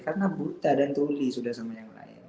karena buta dan tuli sudah sama yang lain